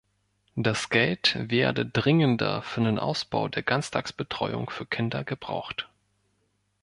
Das Geld werde dringender für den Ausbau der Ganztagsbetreuung für Kinder gebraucht.